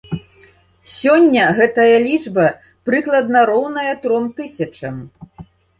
Сёння гэтая лічба прыкладна роўная тром тысячам.